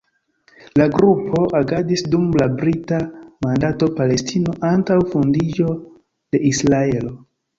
La grupo agadis dum la Brita mandato Palestino, antaŭ fondiĝo de Israelo.